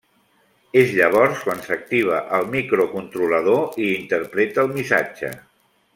És llavors quan s'activa el microcontrolador i interpreta el missatge.